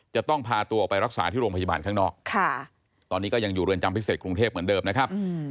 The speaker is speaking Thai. จะต้องพาตัวไปรักษาที่โรงพยาบาลข้างนอกตอนนี้ก็ยังอยู่เรือนจำพิเศษกรุงเทพเหมือนเดิมนะครับ